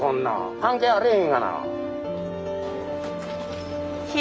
関係あれへんがな。